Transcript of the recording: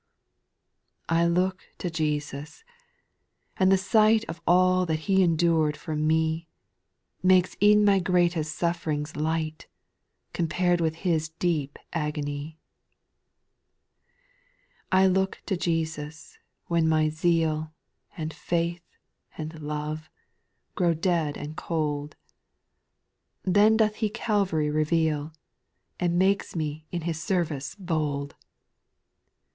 6. I look to Jesus, and the sight Of all that He endured for me, Makes e'en my greatest suff 'rings light. Compared with Uis deep agony. 7. I look to Jesus, when my zeal, And faith, and love, grow dead and cold ; Then doth He Calvary reveal, And makes me in His service bold.